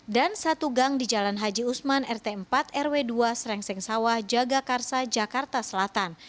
dan satu gang di jalan haji usman rt empat rw dua serengseng sawah jagakarsa jakarta selatan